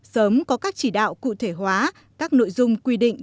sớm có các chỉ đạo cụ thể hóa các nội dung quy định